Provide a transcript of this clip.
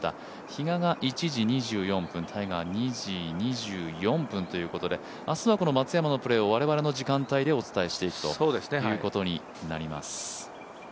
比嘉が１時２４分、タイガー、２時２４分ということで明日はこの松山のプレー我々の時間帯でお伝えしていくことになります。